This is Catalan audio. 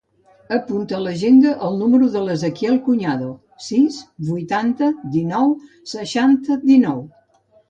Apunta a l'agenda el número de l'Ezequiel Cuñado: sis, vuitanta, dinou, seixanta, dinou.